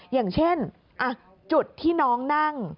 อย่างเช่นจุดที่น้องนั่ง